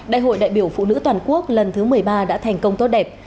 đại hội đại biểu phụ nữ toàn quốc lần thứ một mươi ba đã thành công tốt đẹp